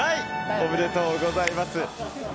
おめでとうございます。